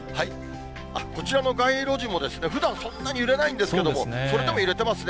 こちらの街路樹も、ふだんそんなに揺れないんですけども、それでも揺れてますね。